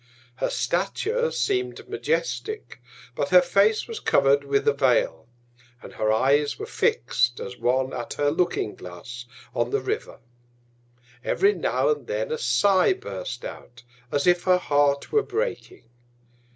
Her Stature seem'd majestic, but her Face was cover'd with a Vail; and her Eyes were fixt, as one at her Looking glass, on the River. Every now and then a Sigh burst out, as if her Heart were breaking.